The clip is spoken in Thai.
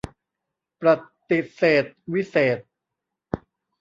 ประติเษธวิเศษณ์